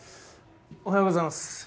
おはようございます。